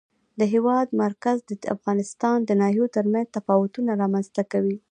د هېواد مرکز د افغانستان د ناحیو ترمنځ تفاوتونه رامنځ ته کوي.